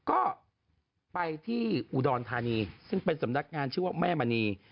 ก็ไปที่อุดรธานีซึ่งเป็นสำนักงานชื่อว่าแม่มณี